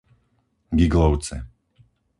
Giglovce